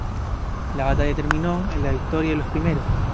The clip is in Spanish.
La batalla terminó en la victoria de los primeros.